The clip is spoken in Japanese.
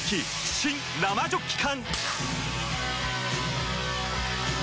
新・生ジョッキ缶！